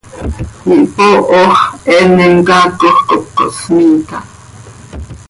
Ihpooho x, eenim caacoj cop cohsmiiit aha.